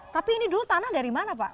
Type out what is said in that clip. tapi ini dulu tanah dari mana pak